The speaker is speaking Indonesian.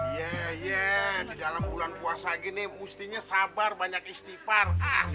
itu aku coba di tiri